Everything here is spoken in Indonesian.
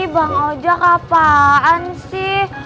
bang ojak apaan sih